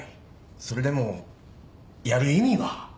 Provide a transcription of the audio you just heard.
それでもやる意味は？